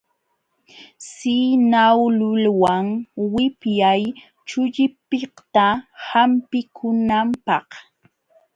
Sinawluwan wipyay chullipiqta hampikunanpaq.